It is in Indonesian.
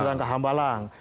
datang ke hambahlang